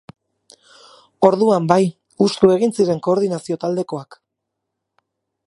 Orduan, bai, hustu egin ziren koordinazio taldekoak.